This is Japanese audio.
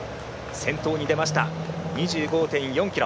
先頭に出ました、道下２４．５ｋｍ。